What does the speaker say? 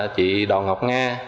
chị đoàn ngọc nga